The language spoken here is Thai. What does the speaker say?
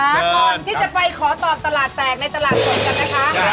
ก่อนที่จะไปขอตอบตลาดแตกในตลาดสดกันนะคะ